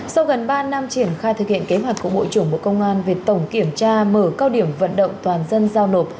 sau gần ba năm triển khai thực hiện kế hoạch của bộ trưởng bộ công an về tổng kiểm tra mở cao điểm vận động toàn dân giao nộp